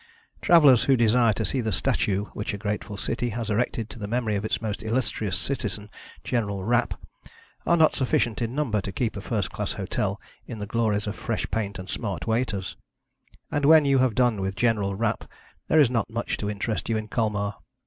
Travellers who desire to see the statue which a grateful city has erected to the memory of its most illustrious citizen, General Rapp, are not sufficient in number to keep a first class hotel in the glories of fresh paint and smart waiters; and when you have done with General Rapp, there is not much to interest you in Colmar.